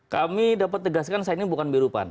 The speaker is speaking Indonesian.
kami dapat tegaskan saat ini bukan biru pan